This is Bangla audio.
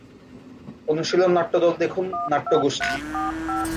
অনুশীলন নাট্যদল দেখুন নাট্যগোষ্ঠী।